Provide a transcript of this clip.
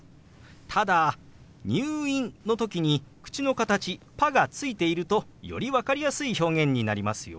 ただ「入院」の時に口の形「パ」がついているとより分かりやすい表現になりますよ。